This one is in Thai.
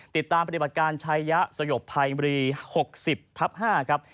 ติดตามปฏิบัติการชัยะสยบไพมีรี๖๐ทับ๕